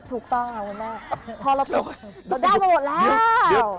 ถูกต้องพอเราผิดเราได้มาหมดแล้ว